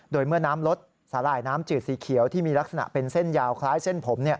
โดยเมื่อน้ำลดสาหร่ายน้ำจืดสีเขียวที่มีลักษณะเป็นเส้นยาวคล้ายเส้นผม